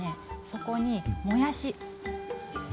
そこにもやし。